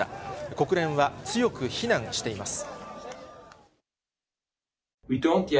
国連は強く非難しています。